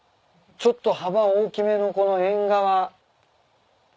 ちょっと幅大きめのこの縁側。